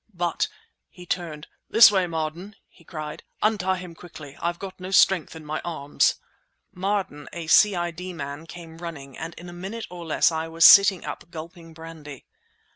But"—he turned—"this way, Marden!" he cried, "Untie him quickly! I've got no strength in my arms!" Marden, a C.I.D. man, came running, and in a minute, or less, I was sitting up gulping brandy.